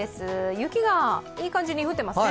雪がいい感じに降っていますね。